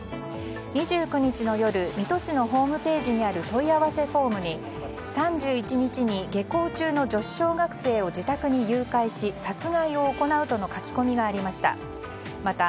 ２９日の夜水戸市のホームページにある問い合わせフォームに３１日に下校中の女子小学生を自宅に誘拐し、殺害を行うとの書き込みがありました。